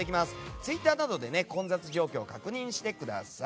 ツイッターなどで混雑状況を確認してください。